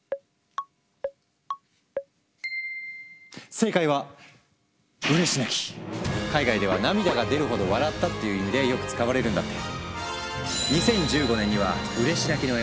正解は海外では涙が出るほど笑ったっていう意味でよく使われるんだって。